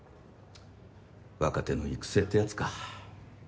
若手の育成ってやつか。